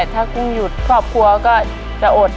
ถ้ากุ้งหยุดครอบครัวก็จะอด